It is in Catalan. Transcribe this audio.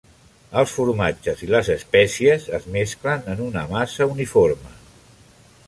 Els formatges i les espècies es mesclen en una massa uniforme.